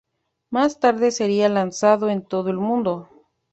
Más tarde sería lanzado en todo el mundo.